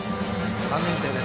３年生です。